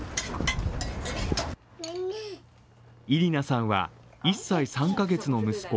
イリナさんは１歳３カ月の息子